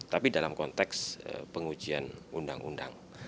tapi dalam konteks pengujian undang undang